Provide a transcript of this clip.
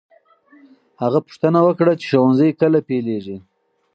هغه پوښتنه وکړه چې ښوونځی کله پیلېږي.